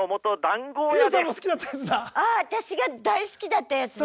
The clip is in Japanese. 私が大好きだったやつだ！